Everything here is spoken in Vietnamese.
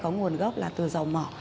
có nguồn gốc là từ dầu mỏ